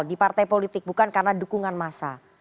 di partai politik bukan karena dukungan massa